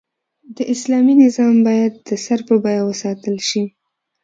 د اسلامي نظام بايد د سر په بيه وساتل شي